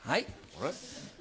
あれ？